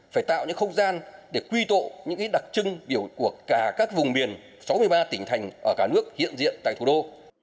phải tạo những không gian để quy tụ những đặc trưng của cả các vùng miền sáu mươi ba tỉnh thành ở cả nước hiện diện tại thủ đô